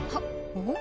おっ！